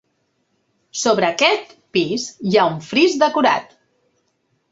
Sobre aquest pis, hi ha un fris decorat.